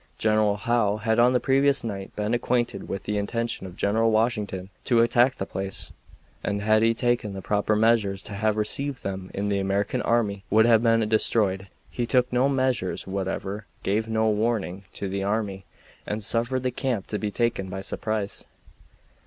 General Howe had on the previous night been acquainted with the intention of General Washington to attack the place, and had he taken the proper measures to have received them the American army would have been destroyed. He took no measures whatever, gave no warning to the army, and suffered the camp to be taken by surprise.